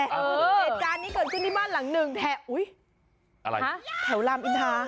เด็ดจานนี้เกิดขึ้นที่บ้านหลังหนึ่งแถวอะไรแถวรามอินทรา